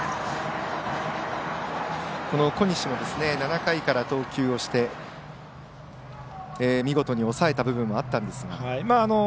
この小西も７回から投球をして見事に抑えた部分もあったんですが。